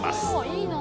いいな。